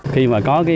khi mà có cái